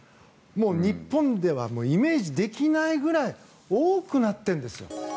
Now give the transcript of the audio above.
もう日本ではイメージできないぐらい多くなってるんですよ。